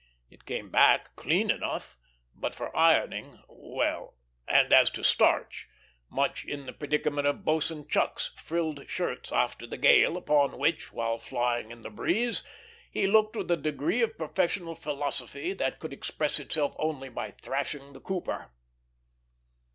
It came back clean enough, but for ironing well; and as to starch, much in the predicament of Boatswain Chuck's frilled shirts after the gale, upon which, while flying in the breeze, he looked with a degree of professional philosophy that could express itself only by thrashing the cooper.